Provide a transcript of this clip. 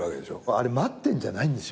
あれ待ってんじゃないんですよ